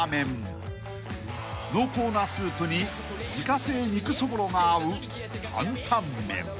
［濃厚なスープに自家製肉そぼろが合う］